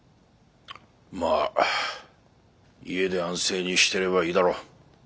まあ家で安静にしてればいいだろう。